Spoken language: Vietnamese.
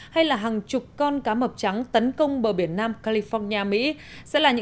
hay là hàng chục con cá mập trắng tấn công bờ biển